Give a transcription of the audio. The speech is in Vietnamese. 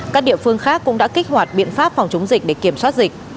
các địa phương khác cũng đã kích hoạt biện pháp phòng chống dịch để kiểm soát dịch